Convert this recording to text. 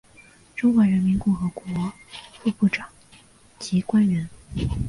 中华人民共和国副部长级官员。